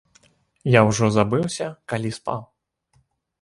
Я ўжо забыўся, калі спаў.